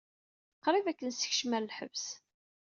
Qrib ad k-nessekcem ɣer lḥebs.